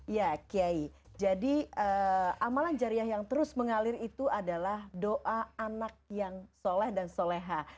ya kiai jadi amalan jariah yang terus mengalir itu adalah doa anak yang soleh dan soleha